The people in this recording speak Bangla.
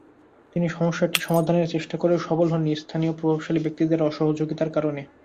তিনি সমস্যাটি সমাধানের চেষ্টা করেও সফল হননি স্থানীয় প্রভাবশালী ব্যক্তিদের অসহযোগিতার কারণে।